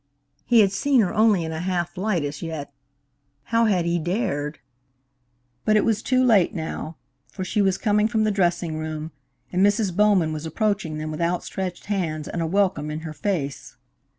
He had seen her only in a half light as yet. How had he dared? But it was too late now, for she was coming from the dressing room, and Mrs. Bowman was approaching them with outstretched hands, and a welcome in her face.